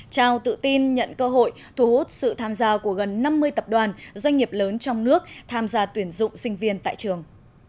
trao tự tin nhận cơ hội thu hút sự tham gia của gần năm mươi tập đoàn doanh nghiệp lớn trong nước tham gia tuyển dụng sinh viên tại trường